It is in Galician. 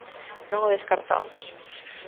Non o descartamos.